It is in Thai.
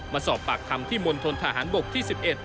มาสอบปากคำที่มณฑนทหารบกที่๑๑